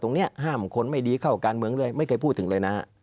ตรงนี้ห้ามคนไม่ดีเข้ากับการเมืองเลยไม่เคยพูดถึงเลยนะ